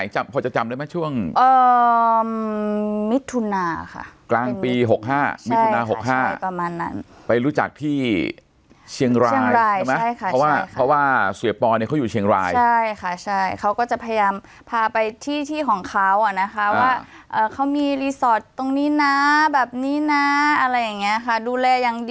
ค่ะใช่ค่ะช่วงไหนพอจะจำได้ไหมช่วง